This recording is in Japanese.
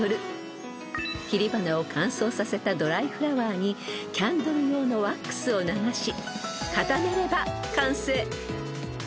［切り花を乾燥させたドライフラワーにキャンドル用のワックスを流し固めれば完成］